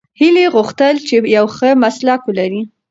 هیلې غوښتل چې یو ښه مسلک ولري.